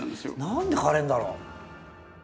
何で枯れんだろう？